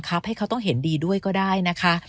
ให้เขาต้องเห็นดีด้วยก็ได้นะคะ